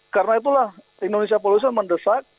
karena itulah indonesia police watch mendesak